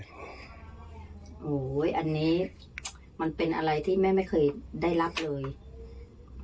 โอ้โหอันนี้มันเป็นอะไรที่แม่ไม่เคยได้รับเลย